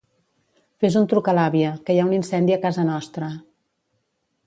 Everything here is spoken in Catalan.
Fes un truc a l'àvia, que hi ha un incendi a casa nostra.